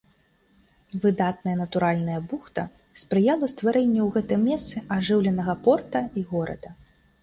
Выдатная натуральная бухта спрыяла стварэнню ў гэтым месцы ажыўленага порта і горада.